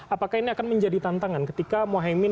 apakah ini akan menjadi tantangan ketika mohaimin